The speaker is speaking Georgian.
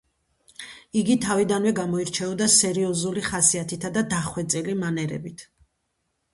იგი თავიდანვე გამოირჩეოდა სერიოზული ხასიათითა და დახვეწილი მანერებით.